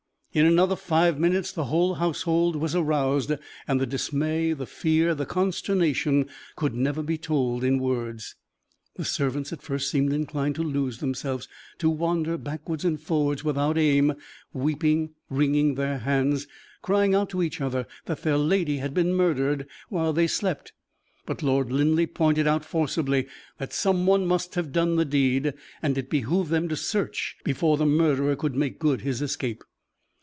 In another five minutes the whole household was aroused, and the dismay, the fear, the consternation could never be told in words. The servants at first seemed inclined to lose themselves, to wander backward and forward without aim, weeping, wringing their hands, crying out to each other that their lady had been murdered while they slept; but Lord Linleigh pointed out forcibly that some one must have done the deed, and it behooved them to search before the murderer could make good his escape.